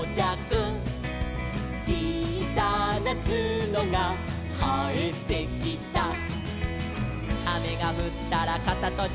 「ちいさなツノがはえてきた」「あめがふったらかさとじて」